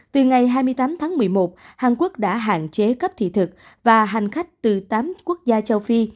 từ ngày hai mươi tám tháng một mươi một hàn quốc đã hạn chế cấp thị thực và hành khách từ tám quốc gia châu phi